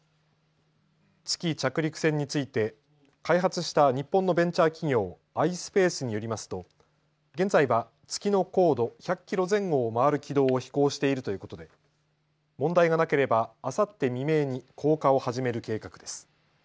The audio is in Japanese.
月着陸船について開発した日本のベンチャー企業、ｉｓｐａｃｅによりますと現在は月の高度１００キロ前後を回る軌道を飛行しているということで問題がなければ、あさって未明に降下を始める計画です。